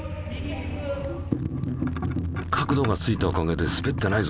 角度がついたおかげですべってないぞ。